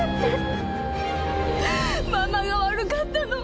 ママが悪かったの。